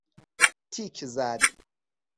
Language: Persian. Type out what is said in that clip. تیک زد